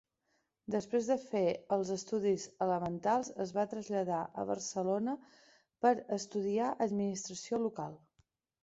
Després de fer els estudis elementals, es va traslladar a Barcelona per estudiar administració local.